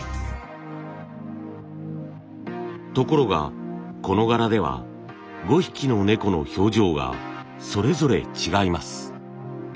ところがこの柄では５匹の猫の表情がそれぞれ違います。